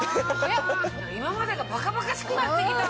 今までがばかばかしくなってきたわ。